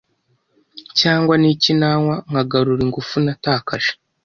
cyangwa niki nanywa nkagarura ingufu natakaje.